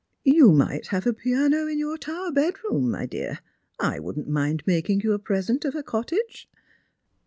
" You might have a piano in your tower bedroom, ray dear. I wouldn't mind making yon a present of a cottage."